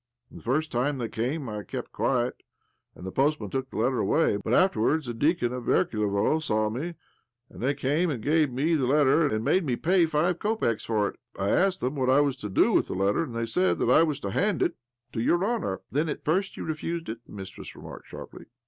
The first timfe they came, I kept quiet, and the post man took the letter laway ; but afterwards the deacon of Verklevo isaw me, and they camfe and gave me the letter, and made me pay five kopecks for it . I asked them what I was to do' with the letter, and they said that I was to hand it tO' your Honour." '' Then at first you refused it ?" the mis tress remarked sharply.